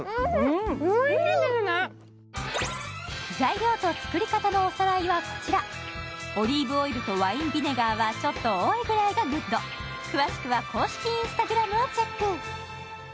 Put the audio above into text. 材料と作り方のおさらいはこちらオリーブオイルとワインビネガーはちょっと多いぐらいがグッド詳しくは公式Ｉｎｓｔａｇｒａｍをチェック